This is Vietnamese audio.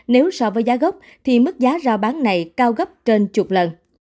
nếu so với giá gốc thì mức giá giao bán này cao gấp trên chục lần